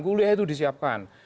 kuliah itu disiapkan